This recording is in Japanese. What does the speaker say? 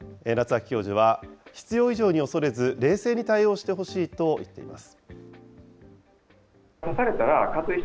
夏秋教授は、必要以上に恐れず、冷静に対応してほしいと言っています。